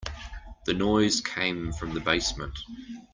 The noise came from the basement.